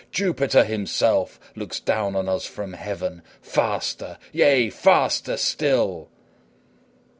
Jupiter himself looks down on us from heaven. Faster! yea, faster still!